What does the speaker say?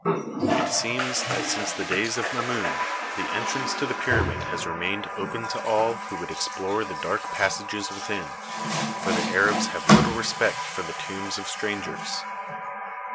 It seems that since the days of Mamun the entrance to the pyramid has remained open to all THE PYRAMID OF KHUFU 25 who would explore the dark passages within, for the Arabs have little respect for the tombs of strangers.